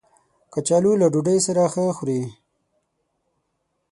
کچالو له ډوډۍ سره ښه خوري